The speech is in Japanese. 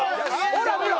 ほら見ろ！